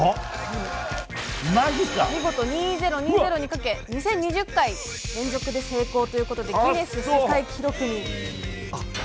見事２０２０にかけ２０２０回連続で成功ということでギネス世界記録に！